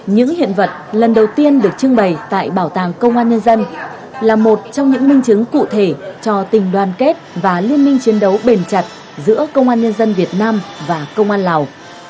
những hiện vật lần đầu tiên được trưng bày tại bảo tàng công an nhân dân là một trong những minh chứng cụ thể cho tình đoàn kết và liên minh chiến đấu bền chặt giữa công an nhân dân việt nam và công an lào